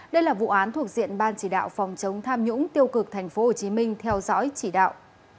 đây là vụ án thuộc diện ban chỉ đạo phòng chống tham nhũng tiêu cực tp hcm theo dõi chỉ đạo